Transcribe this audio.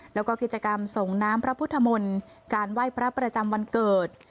แล้วก็กิจกรรมส่งน้ำพระพุทธมนต์การไหว้พระประจำวันเกิด